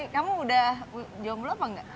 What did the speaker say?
kamu udah jomblo apa enggak